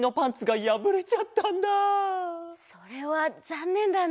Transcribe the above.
それはざんねんだね。